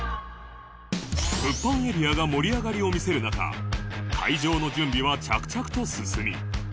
物販エリアが盛り上がりを見せる中会場の準備は着々と進み